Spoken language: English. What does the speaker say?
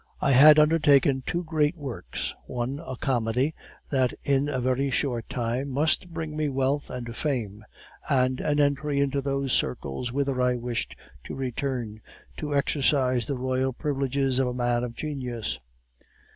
"I had undertaken two great works one a comedy that in a very short time must bring me wealth and fame, and an entry into those circles whither I wished to return, to exercise the royal privileges of a man of genius.